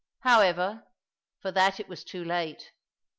However, for that it was too late.